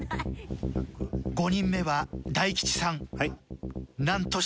５人目は大吉さん。